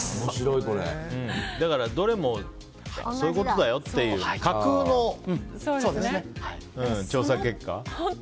だから、どれもそういうことだよっていう架空の調査結果か。